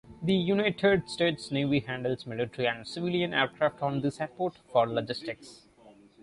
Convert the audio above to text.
The United States Navy handles military and civilian aircraft on this airport for logistics.